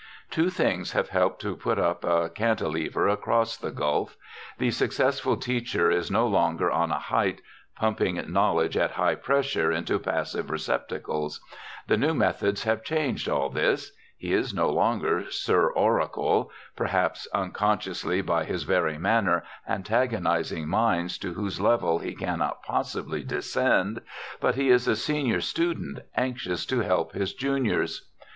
Two things have helped to put up a cantilever across the gulf. The successful teacher is no longer on a height, pumping knowledge at high pressure into passive receptacles. The new methods have changed all this. He is no longer Sir Oracle, perhaps unconsciously by his very manner antagonizing minds to whose level he cannot possibly descend, but he is a senior student anxious to help his juniors.